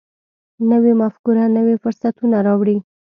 نوې مفکوره نوي فرصتونه راوړي